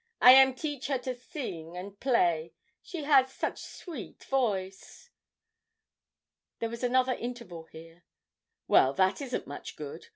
'I am teach her to sing and play she has such sweet voice! There was another interval here. 'Well, that isn't much good.